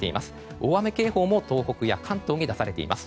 大雨警報も東北や関東に出されています。